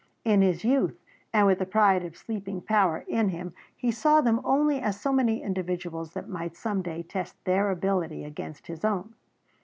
In his youth, and with the pride of sleeping power in him, he saw them only as so many individuals that might some day test their ability against his own.